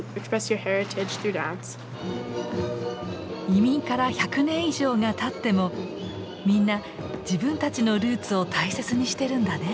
移民から１００年以上がたってもみんな自分たちのルーツを大切にしてるんだね。